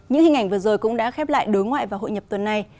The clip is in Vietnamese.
những hình ảnh vừa rồi cũng đã khép lại đối ngoại và hội nhập tuần này